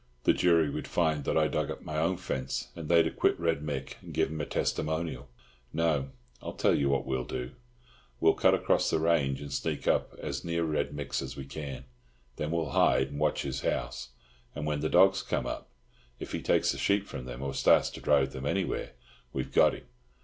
The jury would find that I dug up my own fence, and they'd acquit Red Mick, and give him a testimonial. No, I'll tell you what we'll do. We'll cut across the range, and sneak up as near Red Mick's as we can. Then we'll hide and watch his house; and when the dogs come up, if he takes the sheep from them, or starts to drive them anywhere, we've got him.